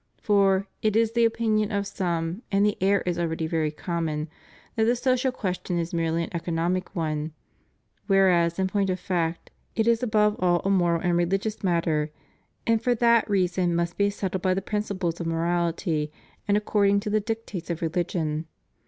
For, it is the opinion of some, and the error is already very common, that the social question is merely an economic one, whereas in point of fact, it is above all a moral and religious matter, and for that reason must be settled by the principles of morality and according to the dictates of religion.